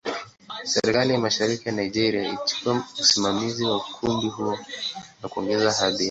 Serikali ya Mashariki ya Nigeria ilichukua usimamizi wa ukumbi huo na kuongeza hadhi yake.